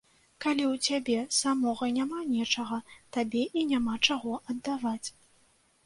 Калі ў цябе самога няма нечага, табе і няма чаго аддаваць.